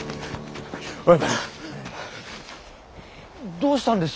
どうしたんです？